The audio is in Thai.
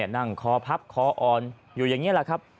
นั่งคอพับคออ่อนอยู่อย่างนี้แหละครับ